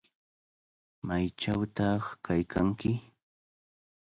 ¿Maychawtaq kaykanki?